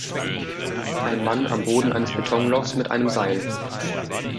ein Mann am Boden eines Betonlochs mit einem Seil.